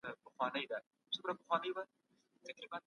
شرم پریږده او مخکي ولاړ سه.